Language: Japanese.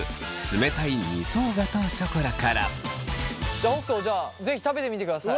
じゃあ北斗じゃあ是非食べてみてください。